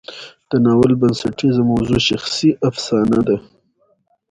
د ناول بنسټیزه موضوع شخصي افسانه ده.